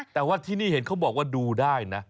แต่ว่าที่นี่เห็นเขาบอกว่าดูได้นะ